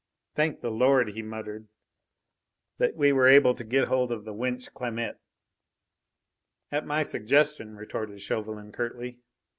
"Thank the Lord," he muttered, "that we were able to get hold of the wench Clamette!" "At my suggestion," retorted Chauvelin curtly.